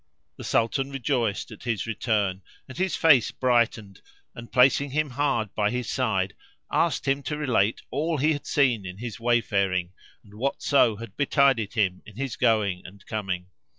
The Sultan rejoiced at his return and his face brightened and, placing him hard by his side, [FN#483] asked him to relate all he had seen in his wayfaring and whatso had betided him in his going and coming.